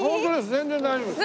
全然大丈夫です。